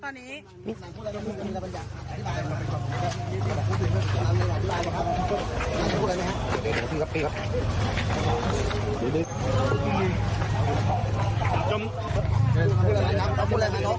กำนันต์พูดอะไรนะครับกำนันต์พูดอะไรนะครับ